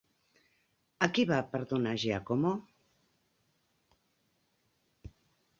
A qui va perdonar Giacomo?